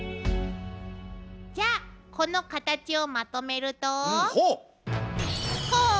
じゃあこのカタチをまとめると。